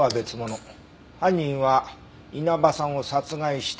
犯人は稲葉さんを殺害した